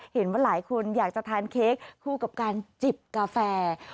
เห็นว่าหลายคนอยากจะทานเค้กคู่กับการจิบกาแฟ